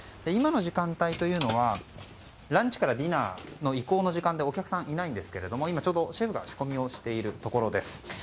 今の時間帯というのはランチからディナーの移行の時間でお客さんがいないんですが今、ちょうどシェフが仕込みをしているところです。